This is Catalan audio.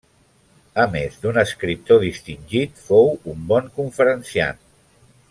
A més d'un escriptor distingit, fou un bon conferenciant.